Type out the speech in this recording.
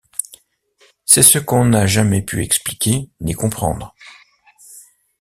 C’est ce qu’on n’a jamais pu expliquer ni comprendre.